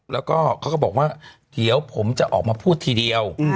แล้วก็เขาก็บอกว่าเดี๋ยวผมจะออกมาพูดทีเดียว